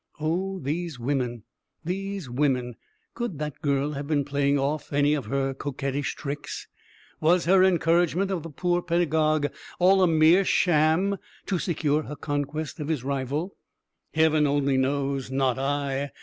Oh, these women! these women! Could that girl have been playing off any of her coquettish tricks? Was her encouragement of the poor pedagogue all a mere sham to secure her conquest of his rival? Heaven only knows, not I!